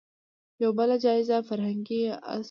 يو بل جايز فرهنګي اصل لرو